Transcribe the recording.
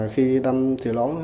khi đâm thì lỗi